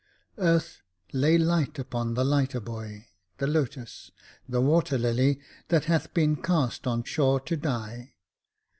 Earth, lay light upon the lighter boy — the lotus, the water lily, that hath been cast on shore to die.